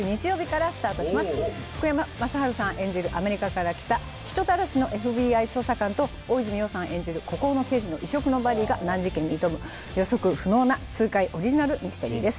アメリカから来た人たらしのＦＢＩ捜査官と大泉洋さん演じる孤高の刑事の異色のバディが難事件に挑む予測不能な痛快オリジナルミステリーです